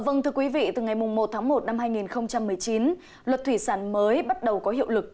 vâng thưa quý vị từ ngày một tháng một năm hai nghìn một mươi chín luật thủy sản mới bắt đầu có hiệu lực